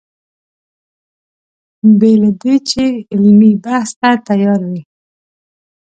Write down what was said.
بې له دې چې علمي بحث ته تیار وي.